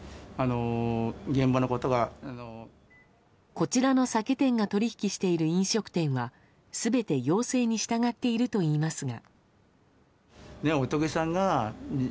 こちらの酒店が取引している飲食店は全て要請に従っているといいますが。